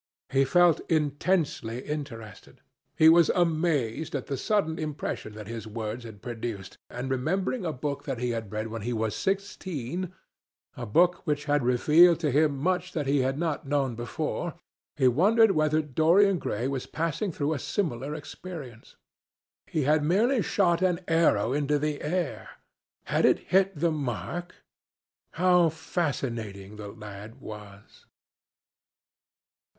He felt intensely interested. He was amazed at the sudden impression that his words had produced, and, remembering a book that he had read when he was sixteen, a book which had revealed to him much that he had not known before, he wondered whether Dorian Gray was passing through a similar experience. He had merely shot an arrow into the air. Had it hit the mark? How fascinating the lad was!